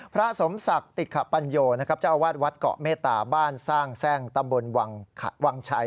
พระสมศักดิ์ติขปัญโยนะครับเจ้าอาวาสวัดเกาะเมตตาบ้านสร้างแทร่งตำบลวังชัย